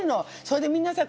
それでみんなさ